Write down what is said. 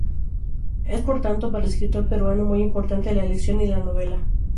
Es, por tanto, para el escritor peruano, muy importante la acción en la novela.